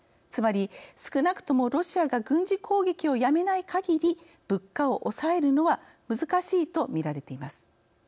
つまり、少なくともロシアが軍事攻撃をやめないかぎり物価を抑えるのは難しいとみられています。